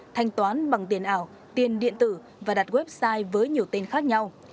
thanh toán bằng tiền ảo tiền điện tử và đặt website với nhiều tên khác nhau